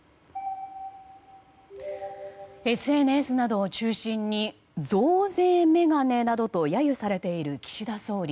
ＳＮＳなどを中心に増税メガネなどと揶揄されている岸田総理。